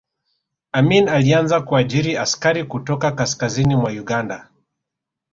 amin alianza kuajiri askari kutoka kaskazini mwa uganda